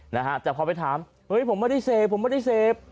นะฮะแต่พอไปถามเฮ้ยผมไม่ได้เสพผมไม่ได้เสพ